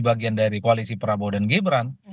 bagian dari koalisi prabowo dan gibran